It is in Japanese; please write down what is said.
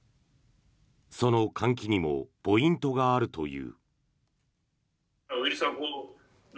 その換気にもポイントがあるという。